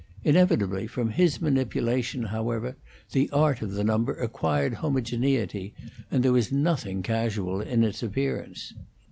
Inevitably from his manipulation, however, the art of the number acquired homogeneity, and there was nothing casual in its appearance.